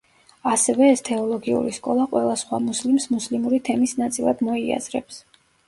ასევე ეს თეოლოგიური სკოლა ყველა სხვა მუსლიმს მუსლიმური თემის ნაწილად მოიაზრებს.